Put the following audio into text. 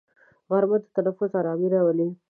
غرمه د تنفس ارامي راولي